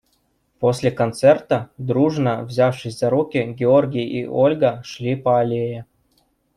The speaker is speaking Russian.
После концерта, дружно взявшись за руки, Георгий и Ольга шли по аллее.